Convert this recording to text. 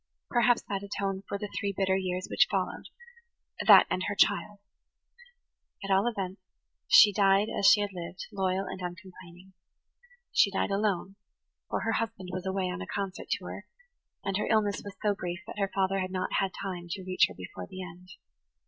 Perhaps that atoned for the three bitter years which followed–that, and her child. At all events, she died as she had lived, loyal and uncomplaining. She died alone, for her husband was away on a concert tour, and her illness was so brief that her father had not time to reach her before the end.